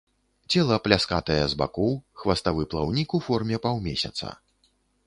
Цела пляскатае з бакоў, хваставы плаўнік ў форме паўмесяца.